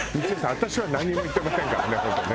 私は何も言ってませんからね本当ね。